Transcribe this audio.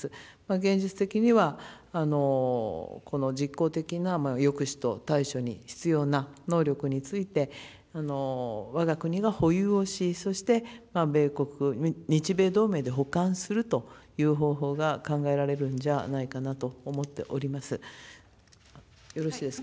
現実的には、この実効的な抑止と対処に必要な能力について、わが国が保有をし、そして、米国、日米同盟で補完するという方法が考えられるんじゃないかなと思っております。